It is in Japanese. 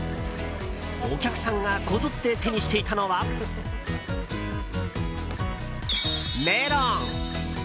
お客さんがこぞって手にしていたのはメロン。